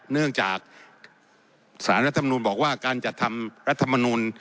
เนื่องจากสารรัฐมนุนบอกว่าการจัดทำรัฐมนูล